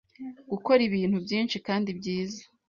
gukora ibindi byinshi kandi byiza”.